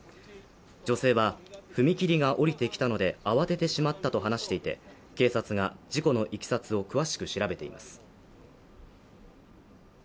女性は踏切が下りてきたので慌ててしまったと話していて警察が事故のいきさつを詳しく調べています。